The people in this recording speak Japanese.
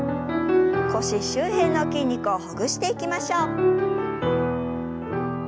腰周辺の筋肉をほぐしていきましょう。